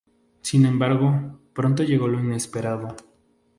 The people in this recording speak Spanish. Sin embargo, pronto llegó lo inesperado.